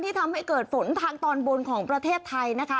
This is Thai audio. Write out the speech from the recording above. ทำให้เกิดฝนทางตอนบนของประเทศไทยนะคะ